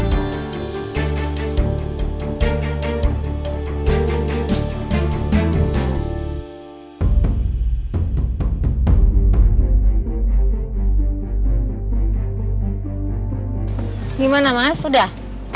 gimana mas udah